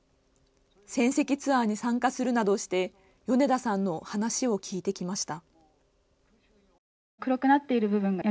戦跡ツアーに参加するなどして米田さんの話を聞いてきました。